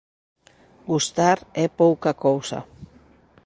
Gustar é pouca cousa.